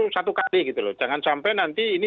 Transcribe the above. satu kali gitu loh jangan sampai nanti ini